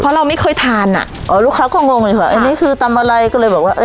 เพราะเราไม่เคยทานอ่ะอ๋อลูกค้าก็งงเลยค่ะอันนี้คือตำอะไรก็เลยบอกว่าเอ้